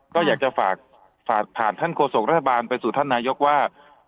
ก็อยากจะฝากผ่านท่านโฆษกรัฐบาลไปสู่ท่านนายกว่า